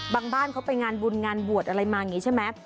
บ้านเขาไปงานบุญงานบวชอะไรมาอย่างนี้ใช่ไหม